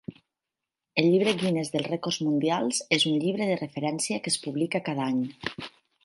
El Llibre Guinness dels rècords mundials és un llibre de referència que es publica cada any.